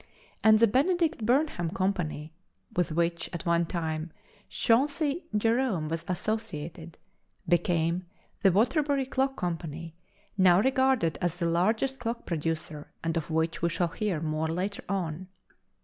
And the Benedict & Burnham Company, with which, at one time, Chauncey Jerome was associated, became the Waterbury Clock Company, now regarded as the largest clock producer, and of which we shall hear more later on.